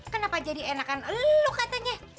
kenapa jadi enakan elu katanya